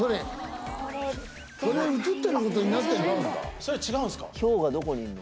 それ違うんですか？